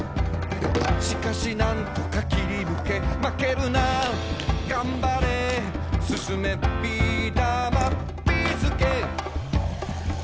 「しかし何とか切りぬけ」「まけるながんばれ」「進め！ビーだまビーすけ」